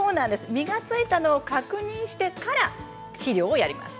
実がついたののを確認してから肥料をやります。